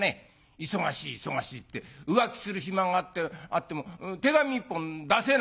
忙しい忙しいって浮気する暇があっても手紙一本出せないの」。